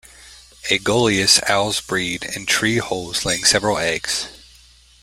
"Aegolius" owls breed in tree holes laying several eggs.